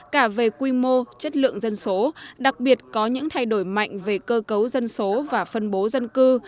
cả về quy mô chất lượng dân số đặc biệt có những thay đổi mạnh về cơ cấu dân số và phân bố dân cư